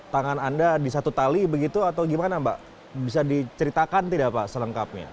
tangan anda di satu tali begitu atau gimana mbak bisa diceritakan tidak pak selengkapnya